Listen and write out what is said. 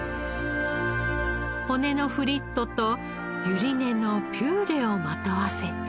骨のフリットとゆり根のピューレをまとわせて。